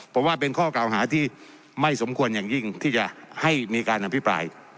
ผมว่าเป็นข้อกล่าวหาที่ไม่สมควรอย่างยิ่งที่จะให้มีการอภิปราย